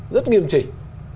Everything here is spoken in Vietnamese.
rất nghiêm trình